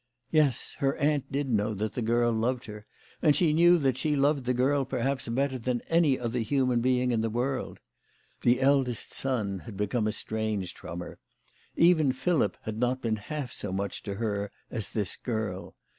Yes, her aunt did know that the girl loved her, and she knew that she loved the girl perhaps better than any other human being in the world. The eldest son had become estranged from her. Even Philip had not been half so much to her as this girl.